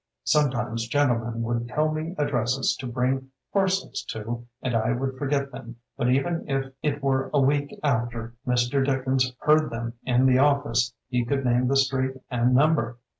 Sometimes gentlemen would tell me addresses to bring parcels to and I would forget them, but even if it were a week after Mr. Dickens heard them in the office he could name the street and number.